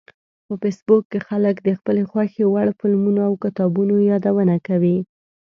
په فېسبوک کې خلک د خپلو خوښې وړ فلمونو او کتابونو یادونه کوي